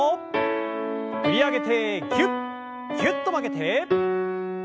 振り上げてぎゅっぎゅっと曲げて。